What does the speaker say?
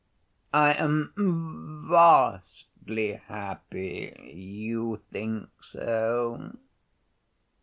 "I am vastly happy you think so."